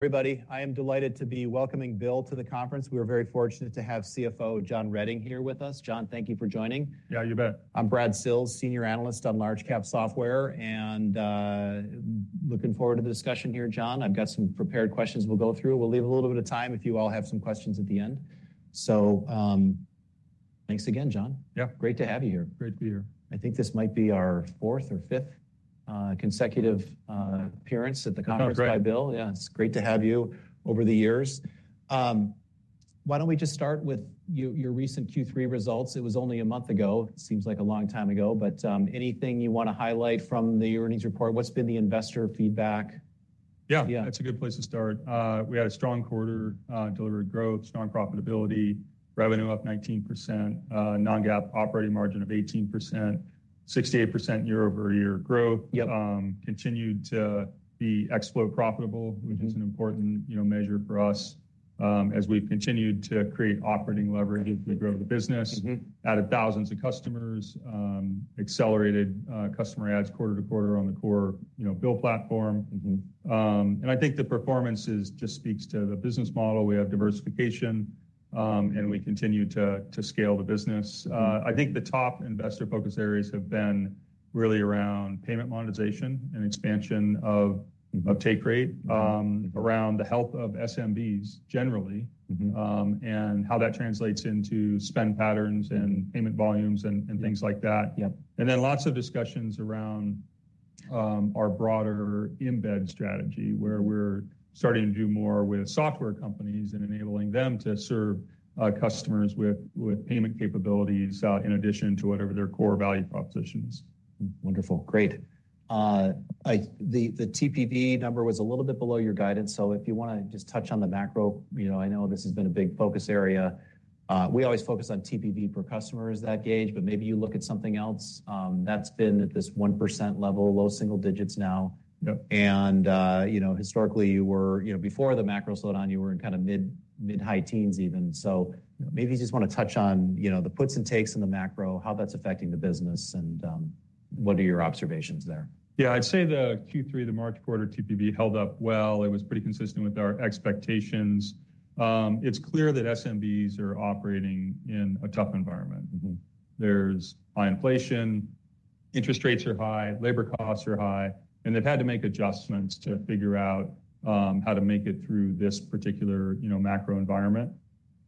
Everybody, I am delighted to be welcoming BILL to the conference. We are very fortunate to have CFO John Rettig here with us. John, thank you for joining. Yeah, you bet. I'm Brad Sills, Senior Analyst on Large Cap Software, and looking forward to the discussion here, John. I've got some prepared questions we'll go through. We'll leave a little bit of time if you all have some questions at the end. So, thanks again, John. Yeah. Great to have you here. Great to be here. I think this might be our fourth or fifth consecutive appearance at the conference— Oh, great. -by BILL. Yeah, it's great to have you over the years. Why don't we just start with your recent Q3 results? It was only a month ago. It seems like a long time ago, but anything you want to highlight from the earnings report? What's been the investor feedback? Yeah. Yeah. That's a good place to start. We had a strong quarter, delivered growth, strong profitability, revenue up 19%, non-GAAP operating margin of 18%, 68% year-over-year growth. Yep. Continued to be ex-float profitable which is an important, you know, measure for us, as we've continued to create operating leverage as we grow the business. Added thousands of customers, accelerated, customer adds quarter to quarter on the core, you know, BILL platform. I think the performance is just speaks to the business model. We have diversification, and we continue to scale the business. I think the top investor focus areas have been really around payment monetization and expansion of take rate, around the health of SMBs, generally and how that translates into spend patterns and payment volumes and things like that. Yep. And then lots of discussions around our broader embed strategy, where we're starting to do more with software companies and enabling them to serve customers with payment capabilities, in addition to whatever their core value proposition is. Wonderful. Great. The, the TPV number was a little bit below your guidance, so if you wanna just touch on the macro. You know, I know this has been a big focus area. We always focus on TPV per customer as that gauge, but maybe you look at something else, that's been at this 1% level, low single digits now. Yep. You know, historically, you were—you know, before the macro slowed down, you were in kinda mid, mid-high teens even. So maybe you just wanna touch on, you know, the puts and takes in the macro, how that's affecting the business, and what are your observations there? Yeah, I'd say the Q3, the March quarter TPV held up well. It was pretty consistent with our expectations. It's clear that SMBs are operating in a tough environment. There's high inflation, interest rates are high, labor costs are high, and they've had to make adjustments to figure out how to make it through this particular, you know, macro environment.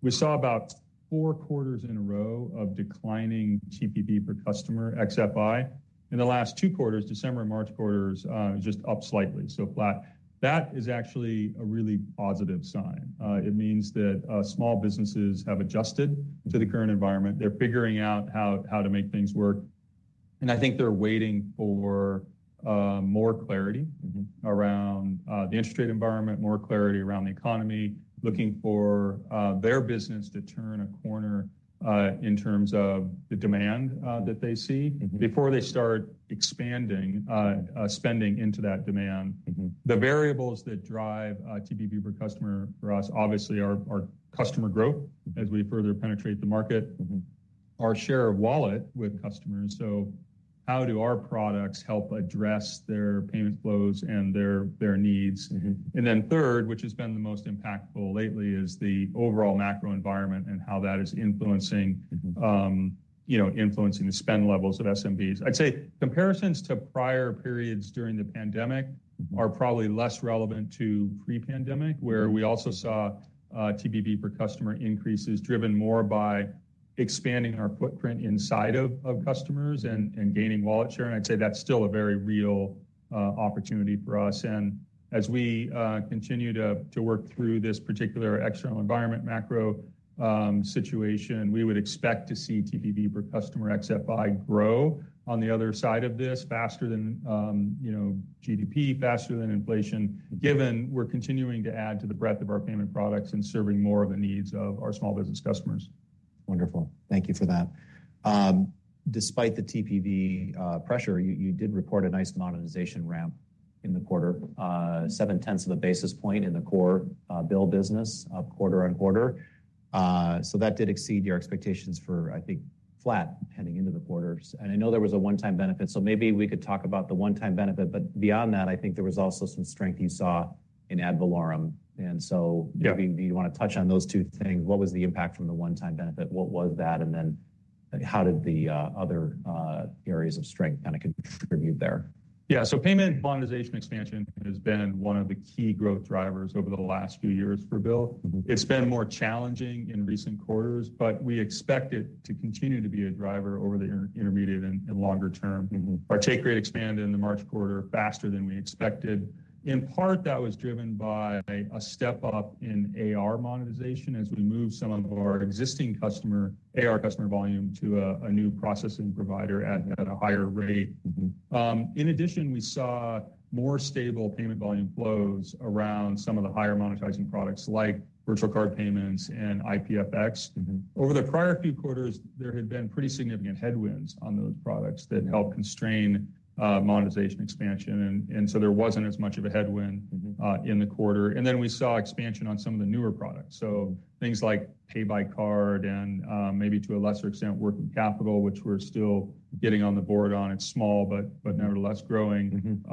We saw about four quarters in a row of declining TPV per customer, ex-FI. In the last two quarters, December and March quarters, just up slightly. So flat. That is actually a really positive sign. It means that small businesses have adjusted to the current environment. They're figuring out how, how to make things work, and I think they're waiting for more clarity around the interest rate environment, more clarity around the economy, looking for their business to turn a corner in terms of the demand that they see before they start expanding, spending into that demand. The variables that drive TPV per customer for us, obviously, are customer growth as we further penetrate the market. Our share of wallet with customers, so how do our products help address their payment flows and their needs? And then third, which has been the most impactful lately, is the overall macro environment and how that is influencing you know, influencing the spend levels of SMBs. I'd say comparisons to prior periods during the pandemic are probably less relevant to pre-pandemic where we also saw TPV per customer increases driven more by expanding our footprint inside of customers and gaining wallet share, and I'd say that's still a very real opportunity for us. And as we continue to work through this particular external environment, macro situation, we would expect to see TPV per customer, ex-FI, grow on the other side of this faster than you know GDP, faster than inflation. Given we're continuing to add to the breadth of our payment products and serving more of the needs of our small business customers. Wonderful. Thank you for that. Despite the TPV pressure, you did report a nice monetization ramp in the quarter, seven-tenths of a basis point in the core BILL business up quarter on quarter. So that did exceed your expectations for, I think, flat heading into the quarters. And I know there was a one-time benefit, so maybe we could talk about the one-time benefit. But beyond that, I think there was also some strength you saw in ad valorem. And so— Yeah Do you—do you wanna touch on those two things? What was the impact from the one-time benefit? What was that? And then how did the other areas of strength kinda contribute there? Yeah. So payment monetization expansion has been one of the key growth drivers over the last few years for BILL. It's been more challenging in recent quarters, but we expect it to continue to be a driver over the intermediate and longer term. Our take rate expanded in the March quarter faster than we expected. In part, that was driven by a step-up in AR monetization as we moved some of our existing customer AR customer volume to a new processing provider at a higher rate. In addition, we saw more stable payment volume flows around some of the higher monetizing products like virtual card payments and IPFX. Over the prior few quarters, there had been pretty significant headwinds on those products that helped constrain monetization expansion, and so there wasn't as much of a headwind in the quarter. And then we saw expansion on some of the newer products, so things like Pay By Card and, maybe to a lesser extent, working capital, which we're still getting on the board on. It's small, but nevertheless, growing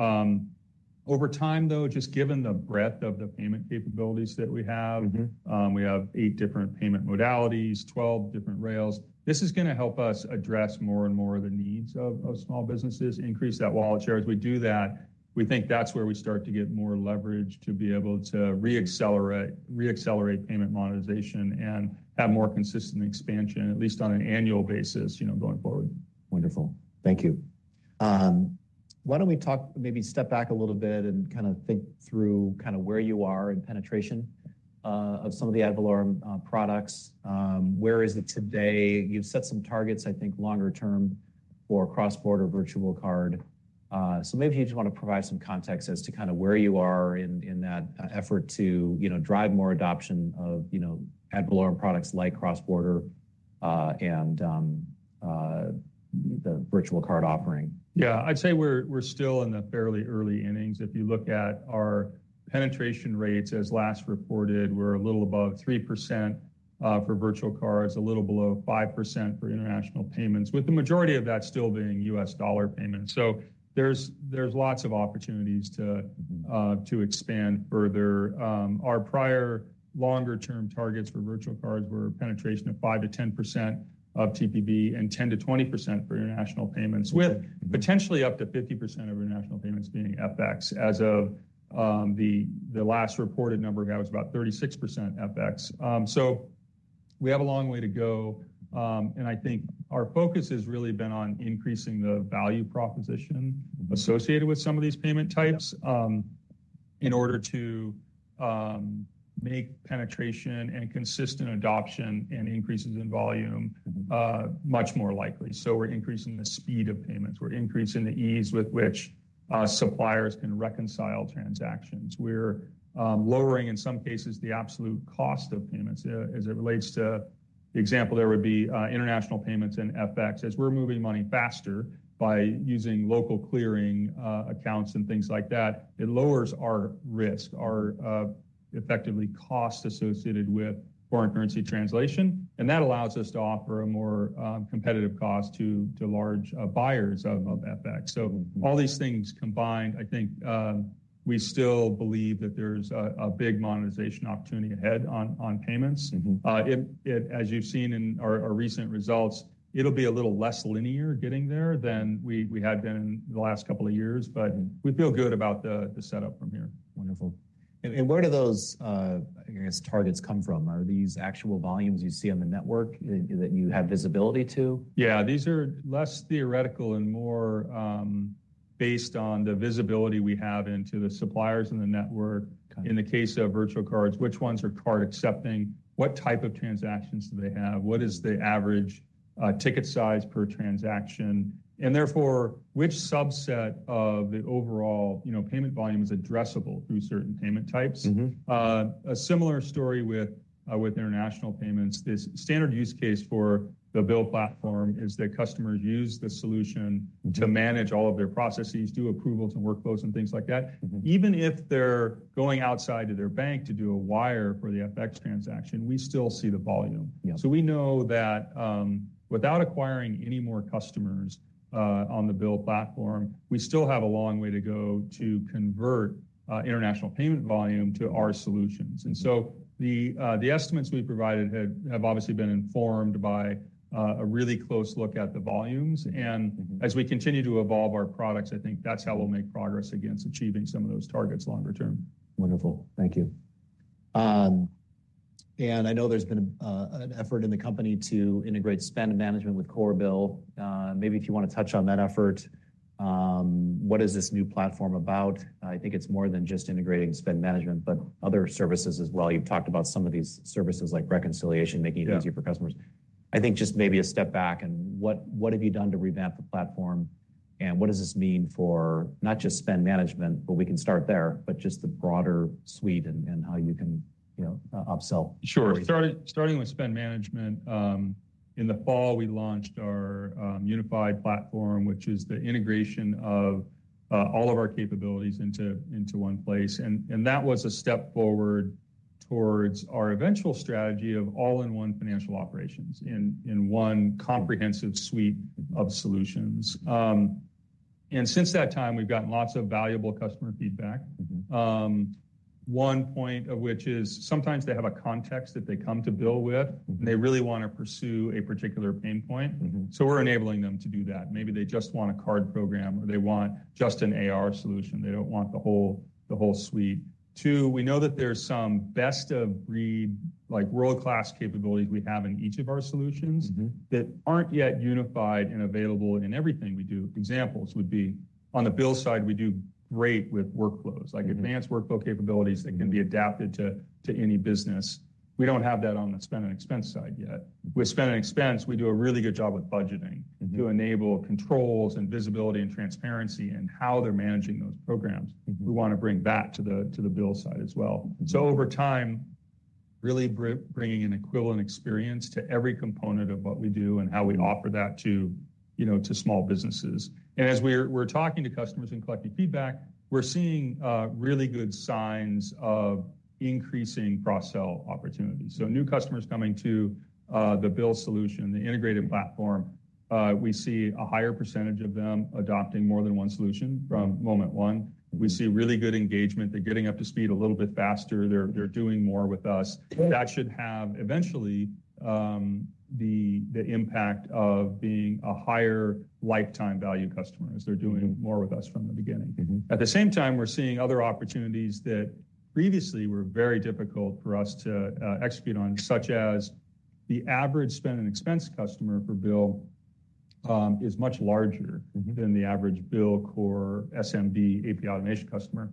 over time, though, just given the breadth of the payment capabilities that we have—we have 8 different payment modalities, 12 different rails. This is going to help us address more and more of the needs of small businesses, increase that wallet share. As we do that, we think that's where we start to get more leverage to be able to reaccelerate payment monetization and have more consistent expansion, at least on an annual basis, you know, going forward. Wonderful. Thank you. Why don't we talk—maybe step back a little bit and kind of think through kind of where you are in penetration of some of the ad valorem products. Where is it today? You've set some targets, I think, longer term for cross-border virtual card. So maybe if you just want to provide some context as to kind of where you are in, in that effort to, you know, drive more adoption of, you know, ad valorem products like cross-border and the virtual card offering. Yeah. I'd say we're, we're still in the fairly early innings. If you look at our penetration rates, as last reported, we're a little above 3%, for virtual cards, a little below 5% for international payments, with the majority of that still being US dollar payments. So there's, there's lots of opportunities to expand further. Our prior longer-term targets for virtual cards were a penetration of 5%-10% of TPV and 10%-20% for international payments with potentially up to 50% of international payments being FX. As of the last reported number, that was about 36% FX. So we have a long way to go, and I think our focus has really been on increasing the value proposition associated with some of these payment types in order to make penetration and consistent adoption and increases in volume much more likely. So we're increasing the speed of payments. We're increasing the ease with which suppliers can reconcile transactions. We're lowering, in some cases, the absolute cost of payments, as it relates to—the example there would be international payments and FX. As we're moving money faster by using local clearing accounts and things like that, it lowers our risk, our effectively cost associated with foreign currency translation, and that allows us to offer a more competitive cost to large buyers of FX. All these things combined, I think, we still believe that there's a big monetization opportunity ahead on payments. It, as you've seen in our recent results, it'll be a little less linear getting there than we had been the last couple of years, but we feel good about the setup from here. Wonderful. And where do those, I guess, targets come from? Are these actual volumes you see on the network that you have visibility to? Yeah. These are less theoretical and more based on the visibility we have into the suppliers and the network. Got it. In the case of virtual cards, which ones are card accepting? What type of transactions do they have? What is the average ticket size per transaction? And therefore, which subset of the overall, you know, payment volume is addressable through certain payment types? A similar story with international payments. The standard use case for the BILL Platform is that customers use the solution to manage all of their processes, do approvals and workflows and things like that. Even if they're going outside of their bank to do a wire for the FX transaction, we still see the volume. Yeah. So we know that, without acquiring any more customers, on the BILL Platform, we still have a long way to go to convert international payment volume to our solutions. The estimates we provided have obviously been informed by a really close look at the volumes and as we continue to evolve our products, I think that's how we'll make progress against achieving some of those targets longer term. Wonderful. Thank you. And I know there's been an effort in the company to integrate spend management with core BILL. Maybe if you want to touch on that effort, what is this new platform about? I think it's more than just integrating spend management, but other services as well. You've talked about some of these services, like reconciliation, making it easier— Yeah For customers. I think just maybe a step back, and what, what have you done to revamp the platform, and what does this mean for not just spend management, but we can start there, but just the broader suite and, and how you can, you know, upsell? Sure. Starting with spend management, in the fall, we launched our unified platform, which is the integration of all of our capabilities into one place. And that was a step forward towards our eventual strategy of all-in-one financial operations in one comprehensive suite of solutions. And since that time, we've gotten lots of valuable customer feedback. One point of which is sometimes they have a context that they come to BILL with and they really want to pursue a particular pain point. So we're enabling them to do that. Maybe they just want a card program, or they want just an AR solution. They don't want the whole, the whole suite. Two, we know that there's some best-of-breed, like, world-class capabilities we have in each of our solutions that aren't yet unified and available in everything we do. Examples would be on the BILL side, we do great with workflows like advanced workflow capabilities that can be adapted to any business. We don't have that on the Spend & Expense side yet. With Spend & Expense, we do a really good job with budgeting to enable controls and visibility and transparency in how they're managing those programs. We want to bring that to the BILL side as well. So over time, really bringing an equivalent experience to every component of what we do and how we offer that to, you know, to small businesses. And as we're talking to customers and collecting feedback, we're seeing really good signs of increasing cross-sell opportunities. So new customers coming to the BILL solution, the integrated platform, we see a higher percentage of them adopting more than one solution from moment one. We see really good engagement. They're getting up to speed a little bit faster. They're doing more with us. That should have eventually the impact of being a higher lifetime value customer as they're doing more with us from the beginning. At the same time, we're seeing other opportunities that previously were very difficult for us to execute on, such as the average Spend & Expense customer per BILL is much larger than the average BILL core SMB AP automation customer.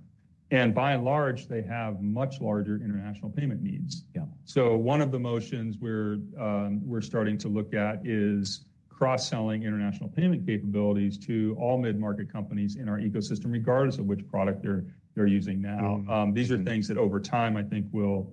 By and large, they have much larger international payment needs. Yeah. One of the motions we're starting to look at is cross-selling international payment capabilities to all mid-market companies in our ecosystem, regardless of which product they're using now. These are things that over time, I think will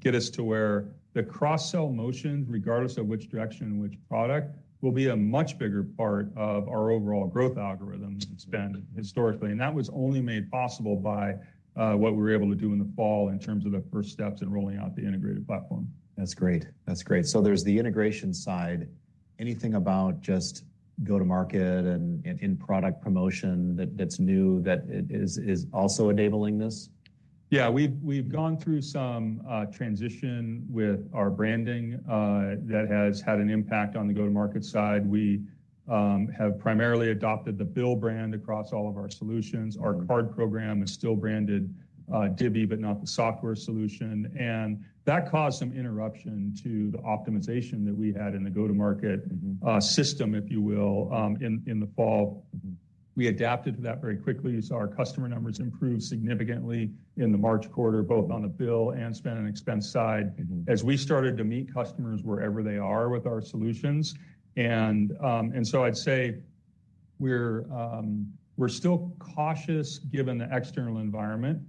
get us to where the cross-sell motions, regardless of which direction and which product, will be a much bigger part of our overall growth algorithm than it's been historically. And that was only made possible by what we were able to do in the fall in terms of the first steps in rolling out the integrated platform. That's great. That's great. So there's the integration side. Anything about just go-to-market and, and in-product promotion that, that's new, that is, is also enabling this? Yeah, we've gone through some transition with our branding that has had an impact on the go-to-market side. We have primarily adopted the BILL brand across all of our solutions. Our card program is still branded Divvy, but not the software solution, and that caused some interruption to the optimization that we had in the go-to-market system, if you will, in the fall. We adapted to that very quickly, so our customer numbers improved significantly in the March quarter, both on the BILL and Spend & Expense side. As we started to meet customers wherever they are with our solutions, and so I'd say we're still cautious given the external environment,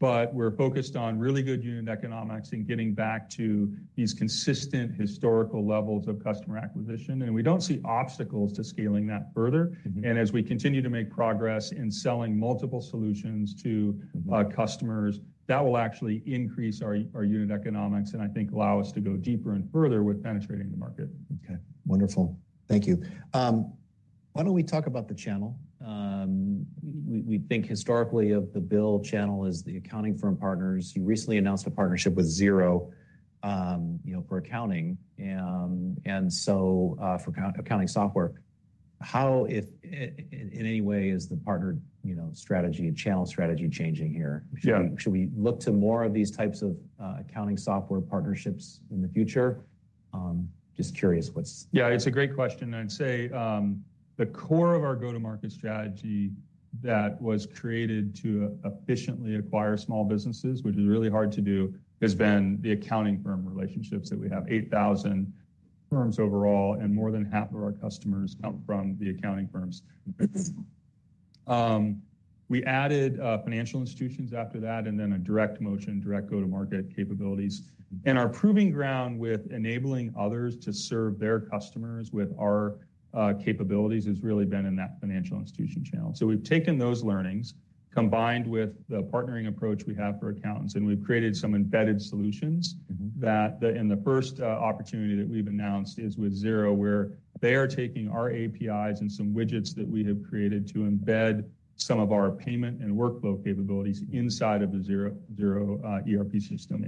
but we're focused on really good unit economics and getting back to these consistent historical levels of customer acquisition, and we don't see obstacles to scaling that further. And as we continue to make progress in selling multiple solutions to customers that will actually increase our unit economics and I think allow us to go deeper and further with penetrating the market. Okay, wonderful. Thank you. Why don't we talk about the channel? We think historically of the BILL channel as the accounting firm partners. You recently announced a partnership with Xero, you know, for accounting and so, for accounting software. How, if in any way, is the partner, you know, strategy, channel strategy changing here? Yeah. Should we look to more of these types of accounting software partnerships in the future? Just curious what's- Yeah, it's a great question, and I'd say, the core of our go-to-market strategy that was created to efficiently acquire small businesses, which is really hard to do, has been the accounting firm relationships that we have. 8,000 firms overall, and more than half of our customers come from the accounting firms. We added financial institutions after that, and then a direct motion, direct go-to-market capabilities. Our proving ground with enabling others to serve their customers with our capabilities has really been in that financial institution channel. So we've taken those learnings, combined with the partnering approach we have for accountants, and we've created some embedded solutions that in the first opportunity that we've announced is with Xero, where they are taking our APIs and some widgets that we have created to embed some of our payment and workflow capabilities inside of the Xero ERP system.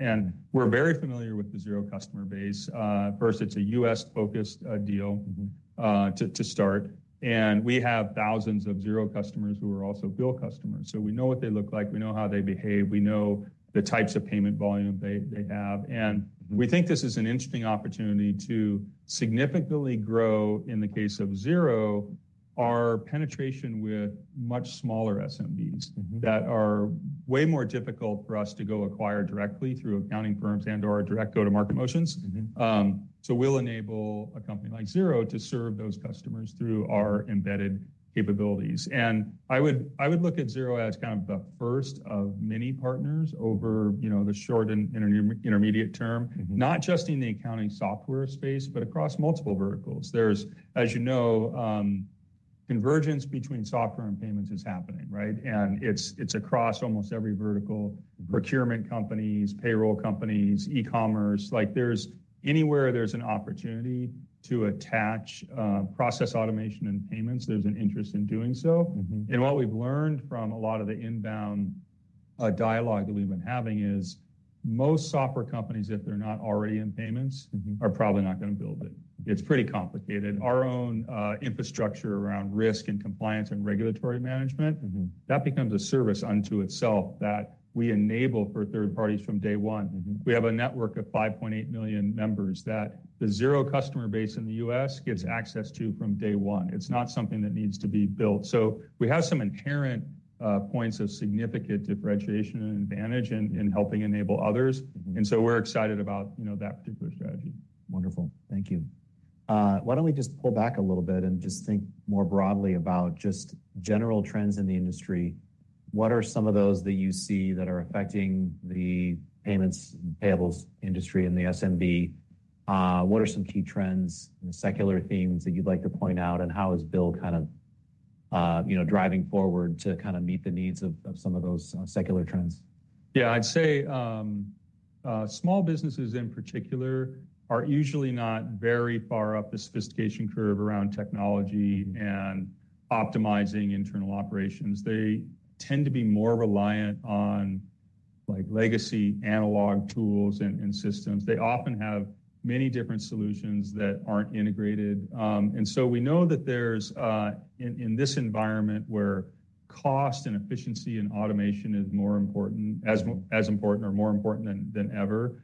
We're very familiar with the Xero customer base. First, it's a US-focused deal to start, and we have thousands of Xero customers who are also BILL customers. So we know what they look like, we know how they behave, we know the types of payment volume they have. We think this is an interesting opportunity to significantly grow, in the case of Xero, our penetration with much smaller SMBs that are way more difficult for us to go acquire directly through accounting firms and/or direct go-to-market motions. So we'll enable a company like Xero to serve those customers through our embedded capabilities. I would look at Xero as kind of the first of many partners over, you know, the short and intermediate term. Not just in the accounting software space, but across multiple verticals. There's, as you know, convergence between software and payments is happening, right? And it's across almost every vertical. Procurement companies, payroll companies, e-commerce, like there's—anywhere there's an opportunity to attach, process automation and payments, there's an interest in doing so. What we've learned from a lot of the inbound dialogue that we've been having is, most software companies, if they're not already in payments are probably not gonna build it. It's pretty complicated. Our own infrastructure around risk and compliance and regulatory management that becomes a service unto itself that we enable for third parties from day one. We have a network of 5.8 million members that the Xero customer base in the U.S. gets access to from day one. It's not something that needs to be built. So we have some inherent points of significant differentiation and advantage in helping enable others. And so we're excited about, you know, that particular strategy. Wonderful. Thank you. Why don't we just pull back a little bit and just think more broadly about just general trends in the industry? What are some of those that you see that are affecting the payments and payables industry and the SMB? What are some key trends and secular themes that you'd like to point out, and how is BILL kind of, you know, driving forward to kinda meet the needs of some of those secular trends? Yeah, I'd say, small businesses, in particular, are usually not very far up the sophistication curve around technology and optimizing internal operations. They tend to be more reliant on, like, legacy analog tools and, and systems. They often have many different solutions that aren't integrated. And so we know that there's, in this environment, where cost and efficiency and automation is more important, as important or more important than ever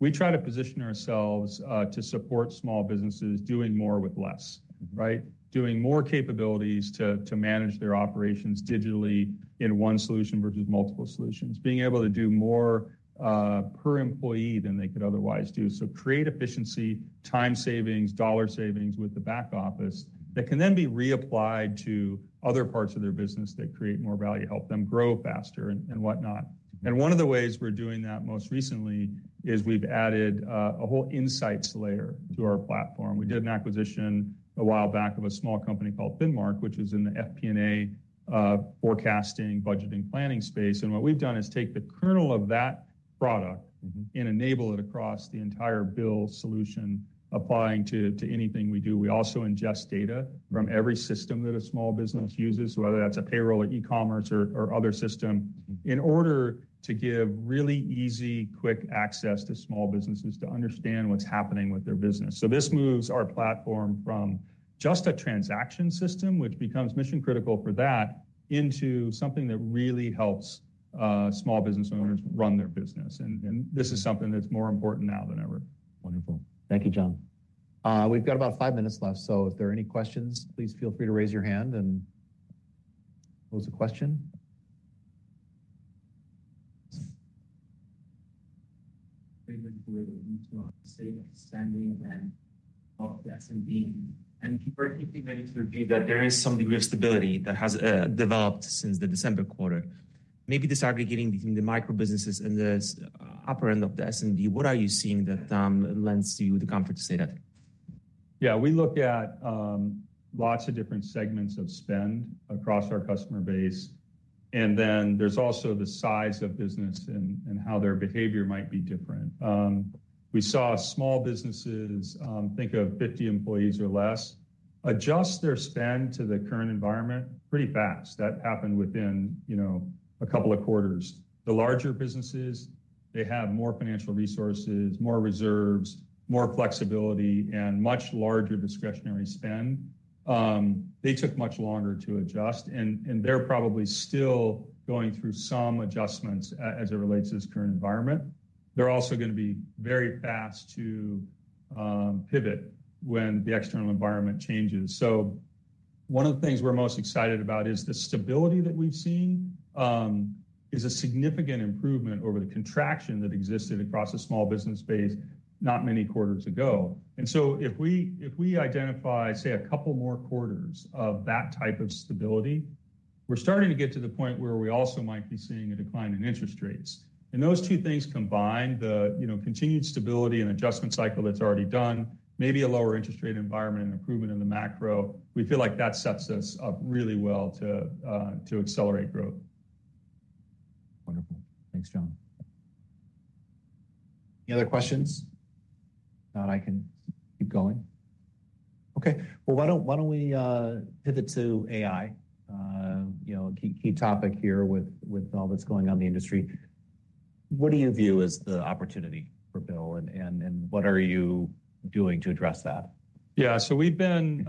we try to position ourselves to support small businesses doing more with less, right? Doing more capabilities to manage their operations digitally in one solution versus multiple solutions. Being able to do more per employee than they could otherwise do. So create efficiency, time savings, dollar savings with the back office that can then be reapplied to other parts of their business that create more value, help them grow faster and whatnot. And one of the ways we're doing that most recently is we've added a whole insights layer to our platform. We did an acquisition a while back of a small company called Finmark, which is in the FP&A forecasting, budgeting, planning space, and what we've done is take the kernel of that product and enable it across the entire BILL solution, applying to anything we do. We also ingest data from every system that a small business uses, whether that's a payroll, or e-commerce, or other system, in order to give really easy, quick access to small businesses to understand what's happening with their business. So this moves our platform from just a transaction system, which becomes mission-critical for that, into something that really helps small business owners run their business, and this is something that's more important now than ever. Wonderful. Thank you, John. We've got about five minutes left, so if there are any questions, please feel free to raise your hand and pose a question. State of understanding and of the SMB, and people are keeping that in view that there is some degree of stability that has developed since the December quarter. Maybe this aggregating between the micro businesses and the upper end of the SMB, what are you seeing that lends you the comfort to say that? Yeah, we look at lots of different segments of spend across our customer base, and then there's also the size of business and how their behavior might be different. We saw small businesses, think of 50 employees or less, adjust their spend to the current environment pretty fast. That happened within, you know, a couple of quarters. The larger businesses, they have more financial resources, more reserves, more flexibility, and much larger discretionary spend. They took much longer to adjust, and they're probably still going through some adjustments as it relates to this current environment. They're also gonna be very fast to pivot when the external environment changes. So one of the things we're most excited about is the stability that we've seen is a significant improvement over the contraction that existed across the small business space not many quarters ago. And so if we identify, say, a couple more quarters of that type of stability, we're starting to get to the point where we also might be seeing a decline in interest rates. And those two things combined, you know, continued stability and adjustment cycle that's already done, maybe a lower interest rate environment and improvement in the macro, we feel like that sets us up really well to accelerate growth. Wonderful. Thanks, John. Any other questions? If not, I can keep going. Okay. Well, why don't we pivot to AI? You know, a key topic here with all that's going on in the industry. What do you view as the opportunity for BILL, and what are you doing to address that? Yeah. So we've been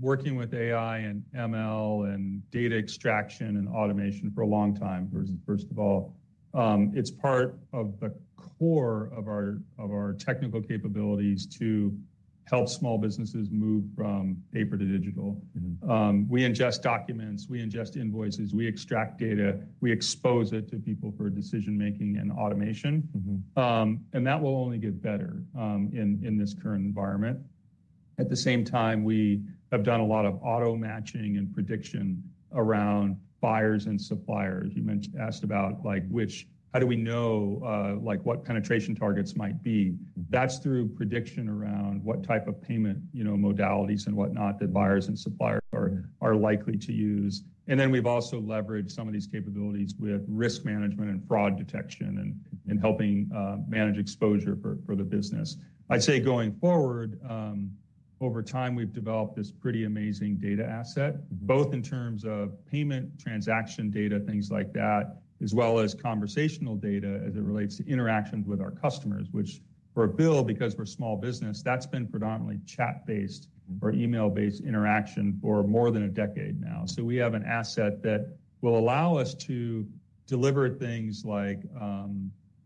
working with AI and ML and data extraction and automation for a long time, first of all. It's part of the core of our technical capabilities to help small businesses move from paper to digital. We ingest documents, we ingest invoices, we extract data, we expose it to people for decision-making and automation. And that will only get better in this current environment. At the same time, we have done a lot of auto-matching and prediction around buyers and suppliers. You mentioned asked about, like, which—how do we know, like, what penetration targets might be? That's through prediction around what type of payment, you know, modalities and whatnot that buyers and suppliers are likely to use. And then we've also leveraged some of these capabilities with risk management and fraud detection and helping manage exposure for the business. I'd say going forward, over time, we've developed this pretty amazing data asset both in terms of payment, transaction data, things like that, as well as conversational data as it relates to interactions with our customers, which for BILL, because we're a small business, that's been predominantly chat-based or email-based interaction for more than a decade now. So we have an asset that will allow us to deliver things like,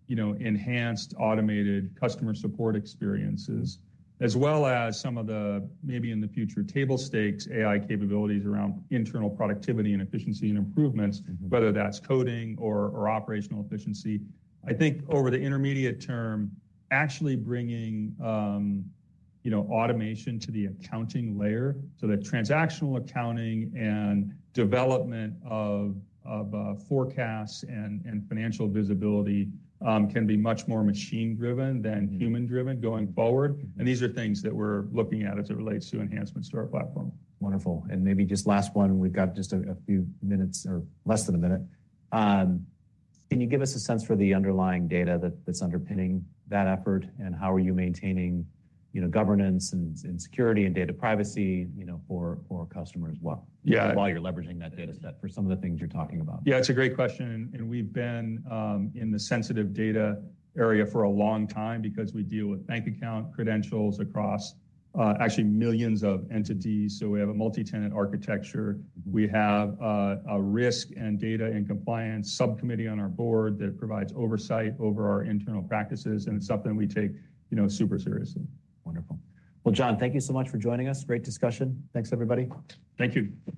you know, enhanced automated customer support experiences, as well as some of the, maybe in the future, table stakes, AI capabilities around internal productivity and efficiency and improvements whether that's coding or operational efficiency. I think over the intermediate term, actually bringing, you know, automation to the accounting layer so that transactional accounting and development of forecasts and financial visibility can be much more machine-driven than human-driven going forward. These are things that we're looking at as it relates to enhancements to our platform. Wonderful. And maybe just last one, we've got just a few minutes or less than a minute. Can you give us a sense for the underlying data that's underpinning that effort, and how are you maintaining, you know, governance and security and data privacy, you know, for customers while— Yeah. While you're leveraging that data set for some of the things you're talking about? Yeah, it's a great question, and we've been in the sensitive data area for a long time because we deal with bank account credentials across, actually millions of entities. So we have a multi-tenant architecture. We have a risk and data and compliance subcommittee on our board that provides oversight over our internal practices, and it's something we take, you know, super seriously. Wonderful. Well, John, thank you so much for joining us. Great discussion. Thanks, everybody. Thank you.